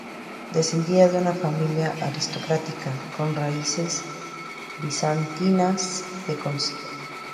Descendía de una familia aristocrática, con raíces bizantinas de Constantinopla.